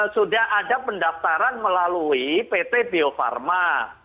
sudah ada pendaftaran melalui pt bio farma